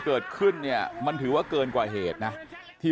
เกิดขึ้นเนี่ยมันถือว่าเกินกว่าเหตุนะที่